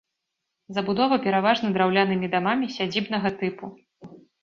Забудова пераважна драўлянымі дамамі сядзібнага тыпу.